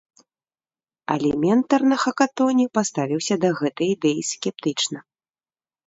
Але ментар на хакатоне паставіўся да гэтай ідэі скептычна.